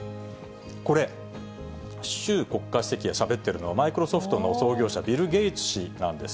これ、習国家主席がしゃべっているのは、マイクロソフトの創業者、ビル・ゲイツ氏なんです。